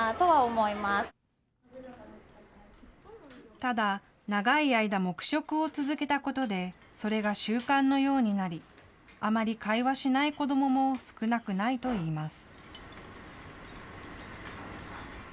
ただ長い間、黙食を続けたことでそれが習慣のようになりあまり会話しない子どもも少なくないといいます。